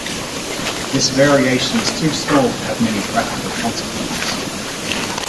This variation is too small to have many practical consequences.